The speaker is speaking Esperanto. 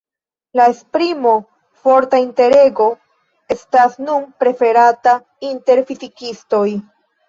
La esprimo "forta interago" estas nun preferata inter fizikistoj.